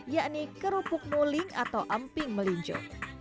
yakni kerupuk muling atau amping melincu